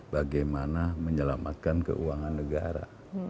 bagaimana menyelamatkan keuangan negara